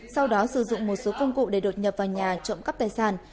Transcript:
sau đó sử dụng một số công cụ để đột nhập vào nhà trộm cắp tài sản